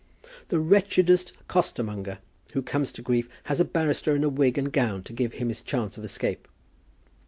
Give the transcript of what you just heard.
"The wretchedest costermonger that comes to grief has a barrister in a wig and gown to give him his chance of escape."